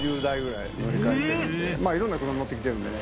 いろんな車乗って来てるんでね